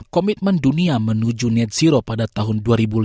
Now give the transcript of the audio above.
komitmen dunia menuju net zero pada tahun dua ribu lima belas